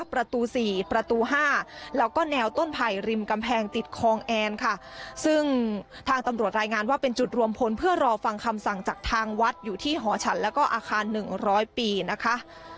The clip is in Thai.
ประตู๔ประตู๕แล้วก็แนวต้นไผ่ริมกำแพงติดคลองแอนค่ะซึ่งทางตำรวจรายงานว่าเป็นจุดรวมพลเพื่อรอฟังคำสั่งจากทางวัดอยู่ที่หอฉันแล้วก็อาคาร๑๐๐ปีนะคะ